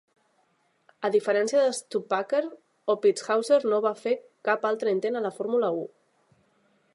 A diferència de Stuppacher, Oppitzhauser no va fer cap altre intent a la Fórmula U.